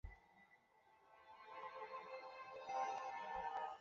有子萧士赟。